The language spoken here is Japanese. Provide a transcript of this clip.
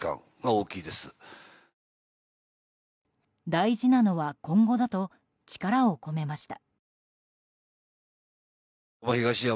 大事なのは今後だと力を込めました。